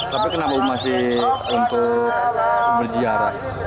tapi kenapa masih untuk berziarah